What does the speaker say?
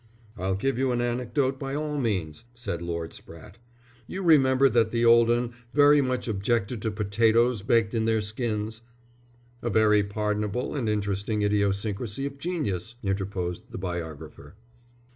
"I'll give you an anecdote by all means," said Lord Spratte. "You remember that the old 'un very much objected to potatoes baked in their skins." "A very pardonable and interesting idiosyncrasy of genius," interposed the biographer.